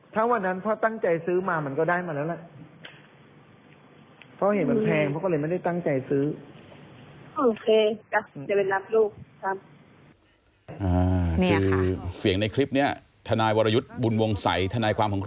ถ้าวันนั้นพ่อตั้งใจซื้อมามันก็ได้มาแล้วล่ะ